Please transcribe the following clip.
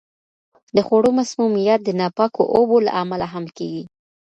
د خوړو مسمومیت د ناپاکو اوبو له امله هم کیږي.